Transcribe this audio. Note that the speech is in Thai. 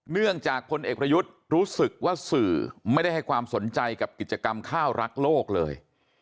เนื่องจากพลเอกประยุทธ์รู้สึกว่าสื่อไม่ได้ให้ความสนใจกับกิจกรรมข้าวรักโลกเลย